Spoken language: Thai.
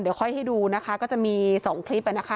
เดี๋ยวค่อยให้ดูนะคะก็จะมี๒คลิปนะคะ